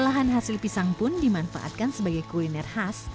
olahan hasil pisang pun dimanfaatkan sebagai kuliner khas